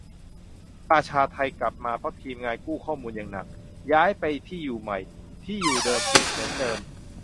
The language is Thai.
ประชาไทกลับมาเพราะทีมงานกู้ข้อมูลอย่างหนัก ย้ายไปที่อยู่ใหม่ ที่อยู่เดิมปิดเหมือนเดิม